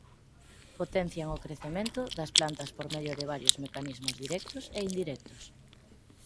Potencian o crecemento das plantas por medio de varios mecanismos directos e indirectos.